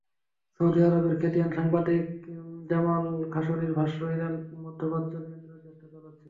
Saudi আরবের খ্যাতিমান সাংবাদিক জামাল খাশোগির ভাষ্য, ইরান মধ্যপ্রাচ্য নিয়ন্ত্রণের চেষ্টা চালাচ্ছে।